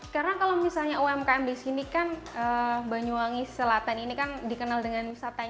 karena kalau misalnya umkm di sini kan banyuwangi selatan ini kan dikenal dengan wisata yang berbeda